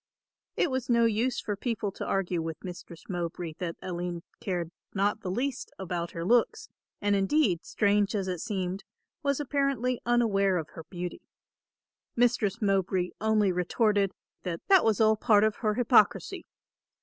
It was no use for people to argue with Mistress Mowbray that Aline cared not the least about her looks, and indeed, strange as it seemed, was apparently unaware of her beauty. Mistress Mowbray only retorted that that was all part of her hypocrisy.